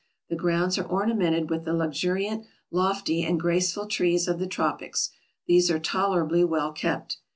The grounds are ornamented with the luxuriant, lofty, and graceful trees of the tropics ; these are tolerably well kept.